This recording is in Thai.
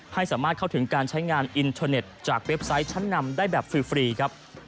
ให้สามารถเข้าถึงการใช้งานอินเทอร์เน็ตจากเว็บไซต์ชั้นนำได้แบบฟรีครับ